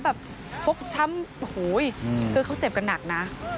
แบบทบช้ำอุ้ยก็เห็นของเขาเจ็บกันหนักนะ